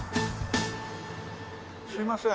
すいません。